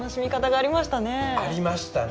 ありましたね。